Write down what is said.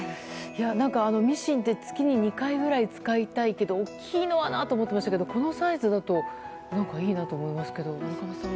ミシンって月に２回ぐらい使いたいけど、大きいのはなと思っていましたけどこのサイズだといいなと思いますけど。